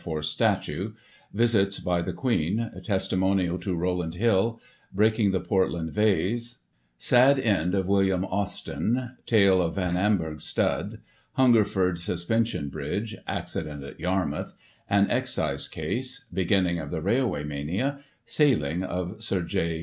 's Statue — Visits by the Queen — Testimonial to Rowland Hill — Breaking the Portland Vase — Sad end of William Austin — Sale of Van Amburgh's stud — Hungerford Suspen sion bridge — Accident at Yarmouth — An Excise case — Beginning of the Railway Mania — Sailing of Sir J.